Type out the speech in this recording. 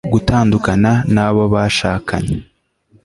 gutandukana na bo bashakanye